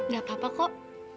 gak apa apa kok